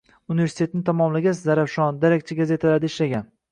Universitetni tamomlagach, Zarafshon, Darakchi gazetalarida ishlagan